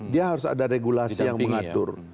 dia harus ada regulasi yang mengatur